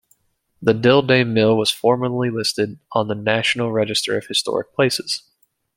The Dilday Mill was formerly listed on the National Register of Historic Places.